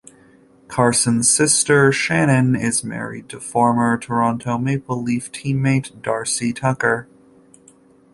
Corson's sister, Shannon, is married to former Toronto Maple Leaf teammate Darcy Tucker.